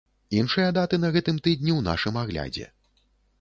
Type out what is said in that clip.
Іншыя даты на гэтым тыдні ў нашым аглядзе.